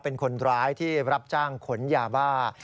เป็นคนร้ายที่รับจ้างขนยาบ้า